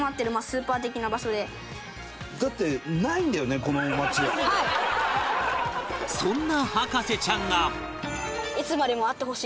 私このそんな博士ちゃんが